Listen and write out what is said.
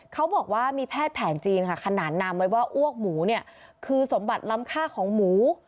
เขาบอกว่ามีแพทย์แผนจีนค่ะขนานนามไว้ว่าอ้วกหมูเนี่ยคือสมบัติล้ำค่าของหมู